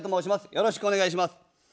よろしくお願いします。